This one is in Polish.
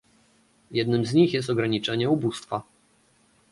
Jednym z nich jest ograniczenie ubóstwa